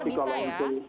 tapi kalau itu